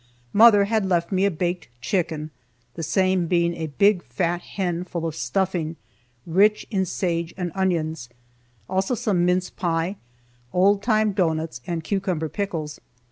Mother left with me a baked chicken, the same being a big, fat hen full of stuffing, rich in sage and onions; also some mince pie, old time doughnuts, and cucumber pickles.